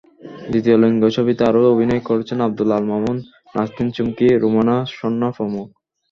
দ্বিতীয় লিঙ্গ ছবিতে আরও অভিনয় করছেন আবদুল্লাহ আল-মামুন, নাজনীন চুমকি, রুমানা স্বর্ণা প্রমুখ।